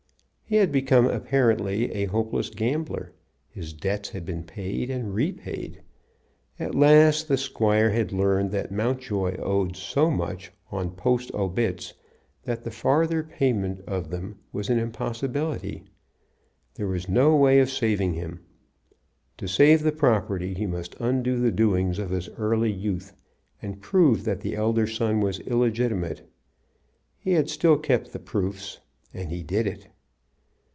He had become apparently a hopeless gambler. His debts had been paid and repaid. At last the squire had learned that Mountjoy owed so much on post obits that the farther payment of them was an impossibility. There was no way of saving him. To save the property he must undo the doings of his early youth, and prove that the elder son was illegitimate. He had still kept the proofs, and he did it.